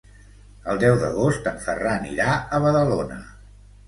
El deu d'agost en Ferran irà a Badalona.